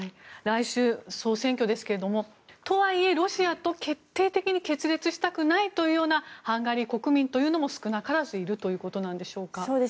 来週、総選挙ですけどもとはいえロシアと決定的に決裂したくないというようなハンガリー国民というのも少なからずいるということなんでしょうか。